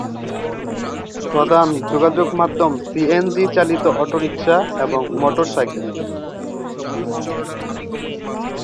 প্রধান যোগাযোগ মাধ্যম সিএনজি চালিত অটোরিক্সা এবং মোটর সাইকেল।